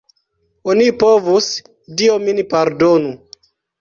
Oni povus, Dio min pardonu!